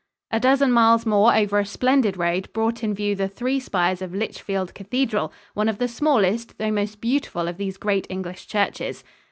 A dozen miles more over a splendid road brought in view the three spires of Lichfield Cathedral, one of the smallest though most beautiful of these great English churches.